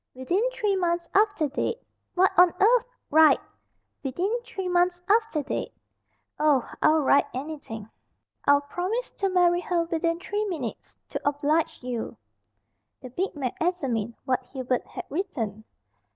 "'Within three months after date.'" "What on earth " "Write 'Within three months after date.'" "Oh, I'll write anything. I'll promise to marry her within three minutes to oblige you." The big man examined what Hubert had written.